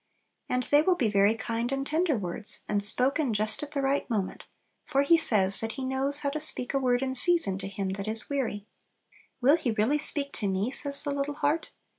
And they will be very kind and tender words, and spoken just at the right moment, for He says that He knows "how to speak a word in season to him that is weary." "Will He really speak to me?" says the little heart.